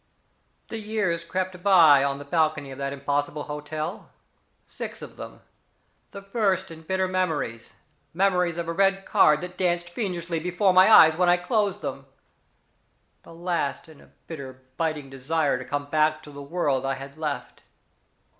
"The years crept by on the balcony of that impossible hotel. Six of them. The first in bitter memories, memories of a red card that danced fiendishly before my eyes when I closed them the last in a fierce biting desire to come back to the world I had left.